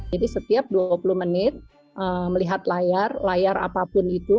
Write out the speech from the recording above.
jadi setiap dua puluh menit melihat layar layar apapun itu